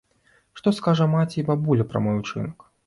Што скажа маці і бабуля пра мой учынак?